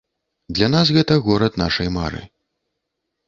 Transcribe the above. Для нас гэта горад нашай мары.